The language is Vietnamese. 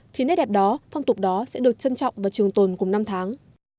thì nét đẹp đó phong tục đó sẽ được trân trọng và trường tồn cùng năm tháng